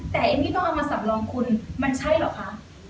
แต่ไอ้ที่ต้องเอามาสำรองคุณมันใช่เหรอคะ